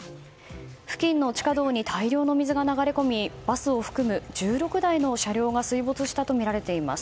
付近の地下道に大量の水が流れ込みバスを含む１６台の車両が水没したとみられています。